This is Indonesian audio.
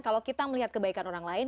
kalau kita melihat kebaikan orang lain